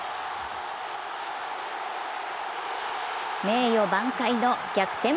名誉挽回の逆転